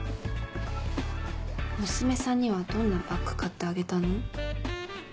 娘さんにはどんなバッグ買ってあげたの？